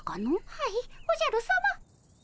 はいおじゃるさま。